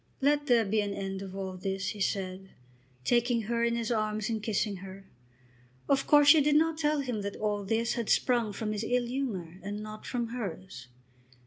"Let there be an end of all this," he said, taking her in his arms and kissing her. Of course she did not tell him that "all this" had sprung from his ill humour and not from hers.